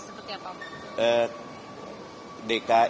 itu perkembangan terbarunya seperti apa